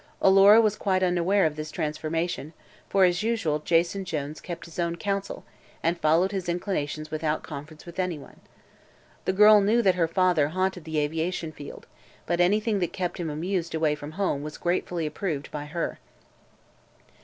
Alora was quite unaware of this transformation, for as usual Jason Jones kept his own counsel and followed his inclinations without conference with anyone. The girl knew that her father haunted the aviation field, but anything that kept him amused away from home was gratefully approved by her.